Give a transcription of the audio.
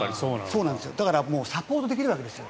だからサポートできるわけです。